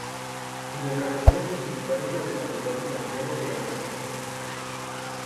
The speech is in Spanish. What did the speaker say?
Cuya cabecera municipal es la localidad de Santiago de Anaya.